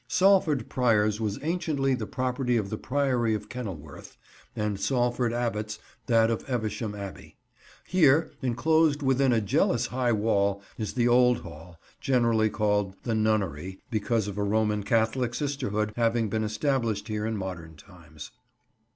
Salford Priors was anciently the property of the Priory of Kenilworth, and Salford Abbots that of Evesham Abbey. Here, enclosed within a jealous high wall, is the old Hall, generally called "the Nunnery," because of a Roman Catholic sisterhood having been established here in modern times.